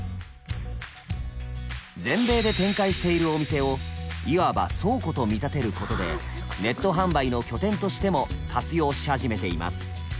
全米で展開しているお店をいわば倉庫と見立てることでネット販売の拠点としても活用し始めています。